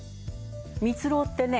ミツロウってね